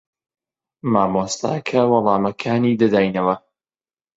مامۆستاکە وەڵامەکانی دەداینەوە.